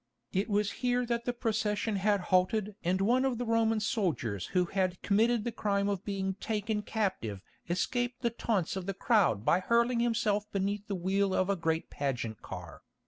It was here that the procession had halted and one of the Roman soldiers who had committed the crime of being taken captive escaped the taunts of the crowd by hurling himself beneath the wheel of a great pageant car.